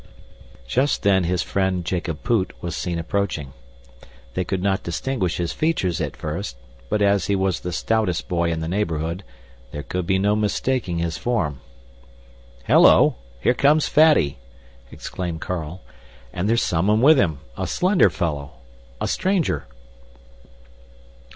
Just then, his friend, Jacob Poot, was seen approaching. They could not distinguish his features at first, but as he was the stoutest boy in the neighborhood, there could be no mistaking his form. "Hello! Here comes Fatty!" exclaimed Carl. "And there's someone with him, a slender fellow, a stranger."